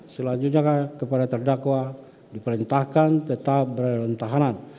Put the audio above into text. selanjutnya kepada terdakwa diperintahkan tetap berada